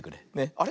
あれ？